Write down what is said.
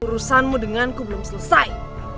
urusanmu dengan ku belum selesai